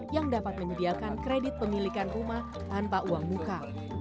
yang dapat menyediakan kredit pemilikan rumah tanpa uang muka